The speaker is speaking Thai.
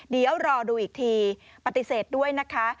เดี๋ยวรอดูอีกทีปฏิเสธด้วยนะคะ